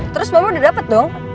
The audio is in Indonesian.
terus bapak udah dapet dong